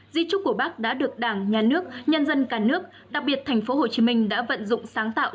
di trúc của bác đã được đảng nhà nước nhân dân cả nước đặc biệt tp hcm đã vận dụng sáng tạo